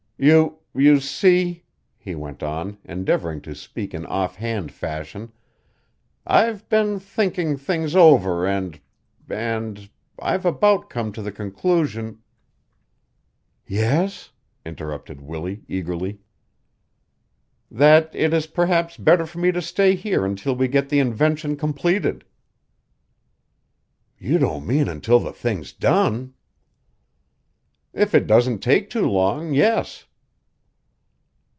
"You you see," he went on, endeavoring to speak in off hand fashion, "I've been thinking things over and and I've about come to the conclusion " "Yes," interrupted Willie eagerly. "That it is perhaps better for me to stay here until we get the invention completed." "You don't mean until the thing's done!" "If it doesn't take too long, yes."